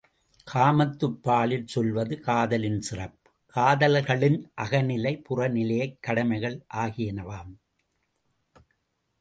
காமத்துப் பாலில் சொல்வது காதலின் சிறப்பு காதலர்களின் அகநிலை, புறநிலைக் கடமைகள் ஆகியனவாம்!